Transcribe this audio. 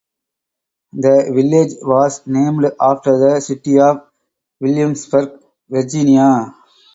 The village was named after the city of Williamsburg, Virginia.